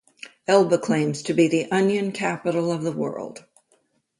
Elba claims to be the Onion Capital of the World.